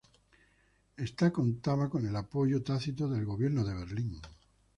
Esta contaba con el apoyo tácito del Gobierno de Berlín.